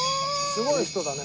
すごい人だね。